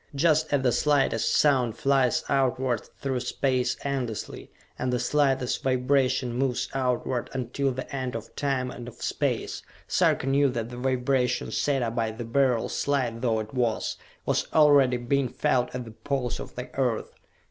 Just as the slightest sound flies outward through space endlessly, and the slightest vibration moves outward until the end of time and of space, Sarka knew that the vibration set up by the Beryl, slight though it was, was already being felt at the Poles of the Earth.